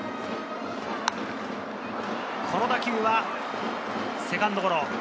この打球はセカンドゴロ。